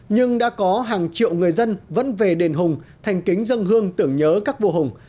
nhưng đã có hàng triệu người dân vẫn về đền hùng thành kính dân hương tưởng nhớ các vua hùng